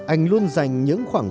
anh luôn dành những khoảng